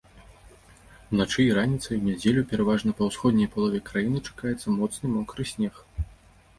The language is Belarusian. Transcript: Уначы і раніцай у нядзелю пераважна па ўсходняй палове краіны чакаецца моцны мокры снег.